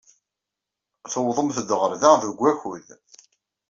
Tewwḍemt-d ɣer da deg wakud.